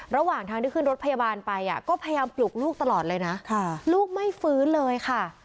ระหว่างทางที่ขึ้นรถพยาบาลไปก็พยายามปลุกลูกตลอดเลยนะลูกไม่ฟื้นเลยค่ะ